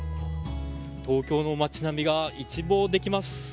東京の街並みが一望できます。